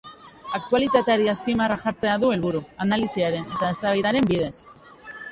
Aktualitateari azpimarra jartzea du helburu, analisiaren eta eztabaidaren bidez.